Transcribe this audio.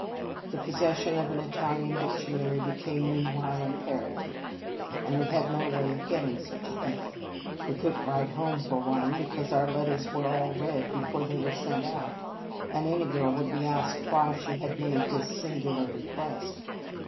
The posses sion of an Italian dictionary became meanwhile imperative, and we had no way of getting such a thing. We could n t write home for one, because our letters were all read before they were sent out, and any girl would be asked why she had made this singular request.